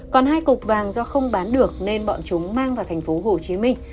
còn hai cục vàng do không bán được nên bọn chúng mang vào thành phố hồ chí minh